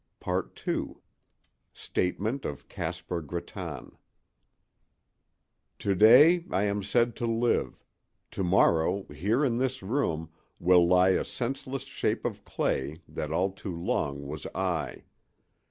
II STATEMENT OF CASPAR GRATTAN To day I am said to live; to morrow, here in this room, will lie a senseless shape of clay that all too long was I.